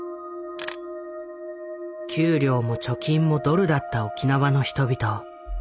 給料も貯金もドルだった沖縄の人々。